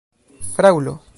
fraŭlo